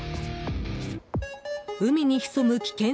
海に潜む危険